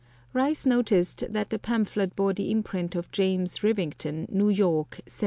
Rice noticed that the pamphlet bore the imprint of James Rivington, New York, 1780.